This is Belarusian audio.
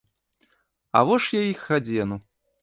А во ж я іх адзену.